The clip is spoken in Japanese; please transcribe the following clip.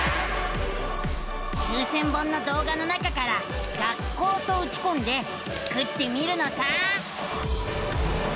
９，０００本の動画の中から「学校」とうちこんでスクってみるのさ！